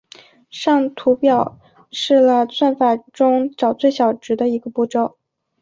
上图表示了算法中找最小值的一个步骤。